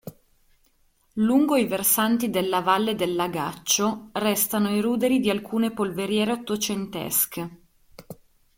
Lungo i versanti della valle del Lagaccio restano i ruderi di alcune polveriere ottocentesche.